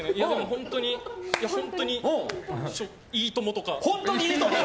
本当に、本当に「いいとも！」とか。